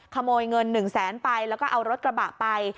ขโมยเงิน๑แสนไปแล้วก็เอารถกระบะไป